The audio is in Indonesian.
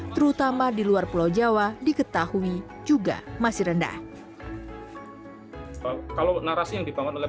terutama di luar pulau jawa diketahui juga masih rendah kalau narasi yang dibangun oleh